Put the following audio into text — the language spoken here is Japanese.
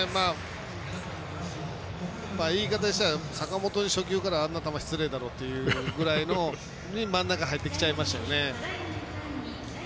言い方としては坂本に初球からあんな球失礼だろというぐらいの真ん中入ってきちゃいましたよね。